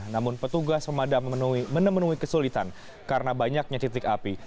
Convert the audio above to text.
namun petugas pemadam menemui kesulitan karena banyaknya titik api